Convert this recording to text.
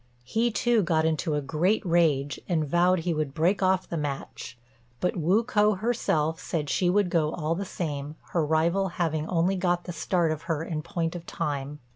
He, too, got into a great rage, and vowed he would break off the match; but Wu k'o herself said she would go all the same, her rival having only got the start of her in point of time.